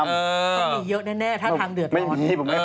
มันมีเยอะแน่ถ้าทำเดือดร้อน